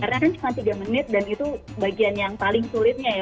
karena kan cuma tiga menit dan itu bagian yang paling sulitnya ya